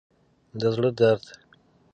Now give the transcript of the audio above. د زړه درد